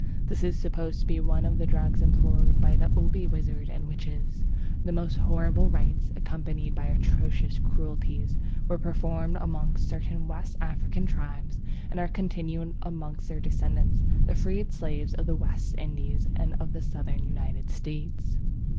This is supposed to be one of the drugs employed by the Obi wizards and witches. The most horrible rites, accompanied by atrocious cruelties, were performed amongst certain West African tribes and are continued amongst their descendants, the freed slaves of the West Indies and of the Southern United States.